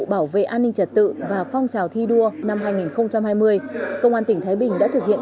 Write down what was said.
bảo vệ an ninh trật tự và phong trào thi đua năm hai nghìn hai mươi công an tỉnh thái bình đã thực hiện